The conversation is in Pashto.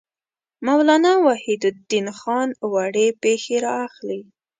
مولانا وحیدالدین خان وړې پېښې را اخلي.